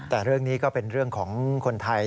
แต่เรื่องนี้ก็เป็นเรื่องของคนไทย